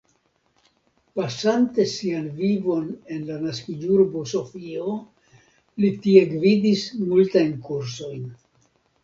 Pasante sian vivon en la naskiĝurbo Sofio, li tie gvidis multajn kursojn.